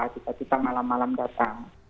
cita cita malam malam datang